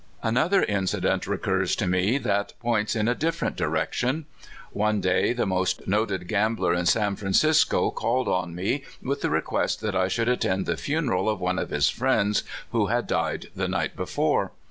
Another incident recurs to me that points in a different direction. One day the most noted gam bler in San Francisco called on me with the re quest that I should attend the funeral of one of his friends, who had died the night before.